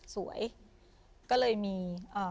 สวยก็เลยมี